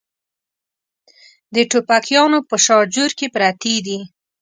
د ټوپکیانو په شاجور کې پرتې دي.